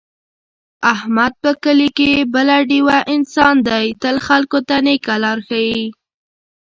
احمد په کلي کې بله ډېوه انسان دی، تل خلکو ته نېکه لاره ښي.